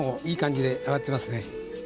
いい感じで揚がってますね。